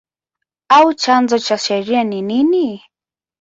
au chanzo cha sheria ni nini?